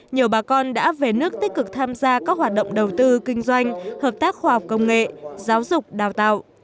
nhiều bà con đã về nước tích cực tham gia các hoạt động đầu tư kinh doanh hợp tác khoa học công nghệ giáo dục đào tạo